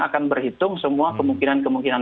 akan berhitung semua kemungkinan kemungkinan